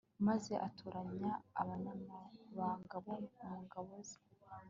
maze atoranya abanyambaraga bo mu ngabo ze